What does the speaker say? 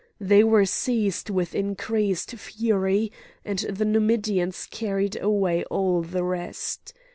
They were seized with increased fury, and the Numidians carried away all the rest.